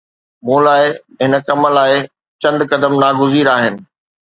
مون لاءِ، هن ڪم لاءِ چند قدم ناگزير آهن.